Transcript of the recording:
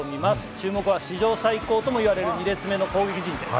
注目は史上最高とも言われる、２列目の攻撃陣です。